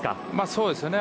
そうですね。